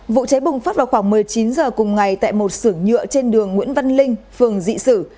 vụ cháy bùng phát vào khoảng một mươi chín h cùng ngày tại một sửa nhựa trên đường nguyễn văn linh phường dị sử